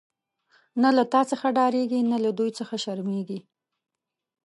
نه له تا څخه ډاريږی، نه له دوی څخه شرميږی